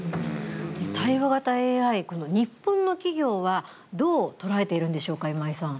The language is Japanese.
対話型ＡＩ、日本の企業はどう捉えているんでしょうか今井さん。